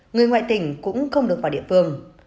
người ngoại tỉnh cũng không được vào địa phương